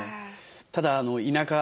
ただ田舎